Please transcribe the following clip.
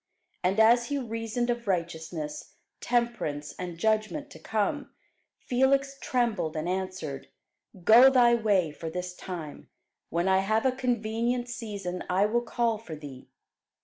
And as he reasoned of righteousness, temperance, and judgment to come, Felix trembled, and answered, Go thy way for this time; when I have a convenient season, I will call for thee.